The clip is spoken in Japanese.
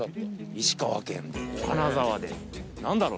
石川県で金沢で何だろうね？